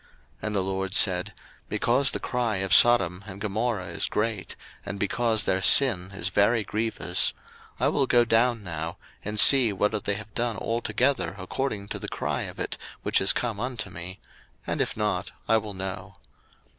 01:018:020 And the LORD said, Because the cry of Sodom and Gomorrah is great, and because their sin is very grievous; 01:018:021 I will go down now, and see whether they have done altogether according to the cry of it, which is come unto me; and if not, I will know.